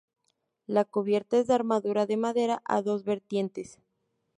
La cubierta es de armadura de madera a dos vertientes.